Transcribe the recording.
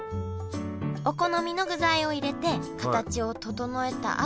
お好みの具材を入れて形を整えた